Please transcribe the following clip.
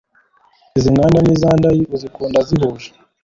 iz'inganda n'indayi uzikunda zihuje